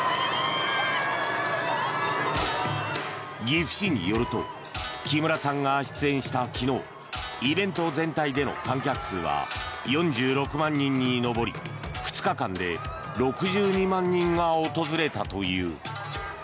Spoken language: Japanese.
岐阜市によると木村さんが出演した昨日イベント全体での観客数は４６万人に上り２日間で６２万人が訪れたという。